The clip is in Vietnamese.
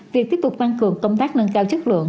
việc tiếp tục tăng cường công tác nâng cao chất lượng